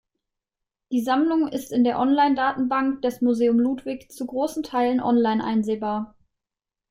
Die Sammlung ist in der Onlinedatenbank des Museum Ludwig zu großen Teilen online einsehbar.